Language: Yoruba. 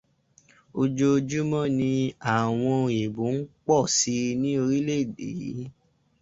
Ojoojúmọ́ ni àwọn òyìnbó ń pọ̀ si ní orílẹ̀-èdè yí.